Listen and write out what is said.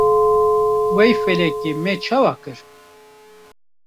Wey felekê me çawa kir?